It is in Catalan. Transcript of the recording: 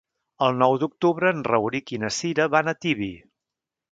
El nou d'octubre en Rauric i na Cira van a Tibi.